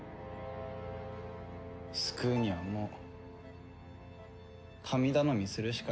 救うにはもう神頼みするしかなさそうだね。